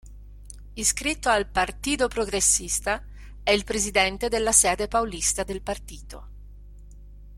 Iscritto al Partido Progressista, è il presidente della sede paulista del partito.